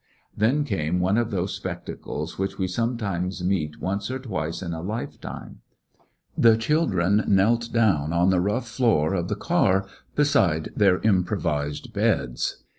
Then came one of those spectacles which '* Now Hay we sometimes meet once or twice in a life time. The children knelt down on the rough floor of the car beside their improvised beds.